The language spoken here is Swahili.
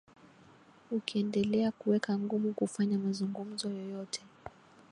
ukiendelea kuweka ngumu kufanya mazungumzo yoyote